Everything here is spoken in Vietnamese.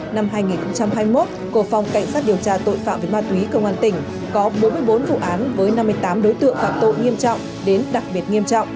năm hai nghìn hai mươi một của phòng cảnh sát điều tra tội phạm về ma túy công an tỉnh có bốn mươi bốn vụ án với năm mươi tám đối tượng phạm tội nghiêm trọng đến đặc biệt nghiêm trọng